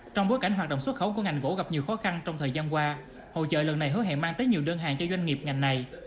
trong bối cảnh hoạt động xuất khẩu của ngành gỗ gặp nhiều khó khăn trong thời gian qua hội trợ lần này hứa hẹn mang tới nhiều đơn hàng cho doanh nghiệp ngành này